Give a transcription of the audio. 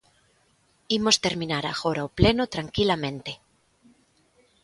Imos terminar agora o pleno tranquilamente.